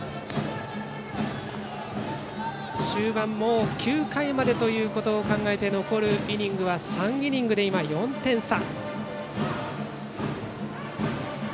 終盤、もう９回までということを考えて残るイニングは３イニングで４点差。